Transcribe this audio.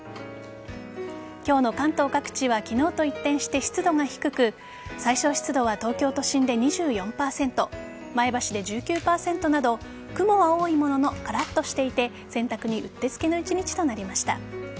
今日の関東各地は昨日と一転して湿度が低く最小湿度は東京都心で２４％前橋で１９％など雲は多いもののカラッとしていて洗濯にうってつけの１日となりました。